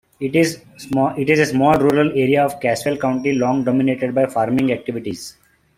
It is a small rural area of Caswell County long dominated by farming activities.